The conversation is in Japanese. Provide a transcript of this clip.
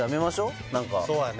そうだね